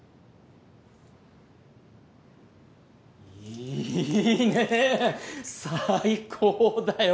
いいね最高だよ。